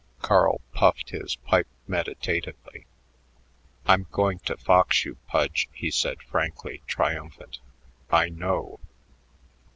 Carl puffed his pipe meditatively. "I'm going to fox you, Pudge," he said, frankly triumphant; "I know.